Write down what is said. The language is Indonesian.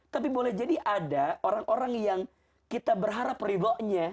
tapi boleh jadi ada orang orang yang kita berharap ridhonya